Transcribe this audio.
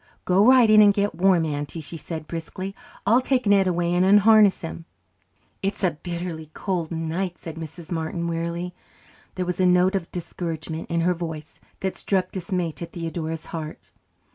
"Go right in and get warm, Auntie," she said briskly. "I'll take Ned away and unharness him." "It's a bitterly cold night," said Mrs. Martin wearily. There was a note of discouragement in her voice that struck dismay to Theodora's heart.